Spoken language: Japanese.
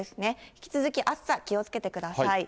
引き続き、暑さ、気をつけてください。